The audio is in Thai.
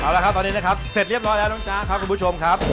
เอาละครับตอนนี้นะครับเสร็จเรียบร้อยแล้วน้องจ๊ะครับคุณผู้ชมครับ